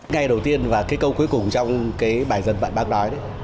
ngay đầu tiên và cái câu cuối cùng trong cái bài dân vận bác nói đấy